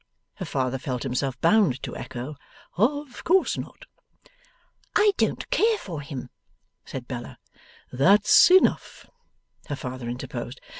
her father felt himself bound to echo, 'Of course not.' 'I don't care for him,' said Bella. 'That's enough,' her father interposed.